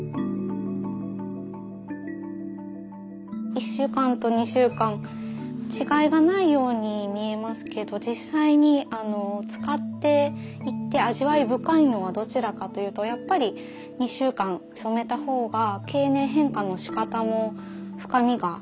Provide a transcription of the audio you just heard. １週間と２週間違いがないように見えますけど実際に使っていって味わい深いのはどちらかというとやっぱり２週間染めたほうが経年変化のしかたも深みがあると思うんですね。